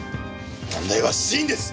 問題は死因です！